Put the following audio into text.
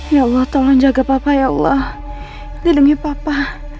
ya allah tolong jaga papa ya allah lindungi papa